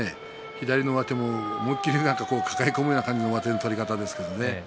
左の上手も思い切り抱え込むような取り方ですね。